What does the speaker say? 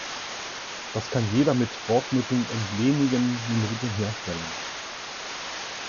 Das kann jeder mit Bordmitteln in wenigen Minuten herstellen.